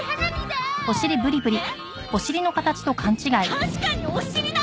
確かにお尻だ！